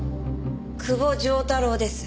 久保丈太郎です。